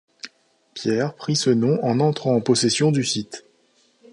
Pierre prit ce nom en entrant en possession du site.